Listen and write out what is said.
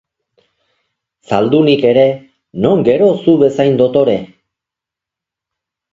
Zaldunik ere, non gero zu bezain dotore?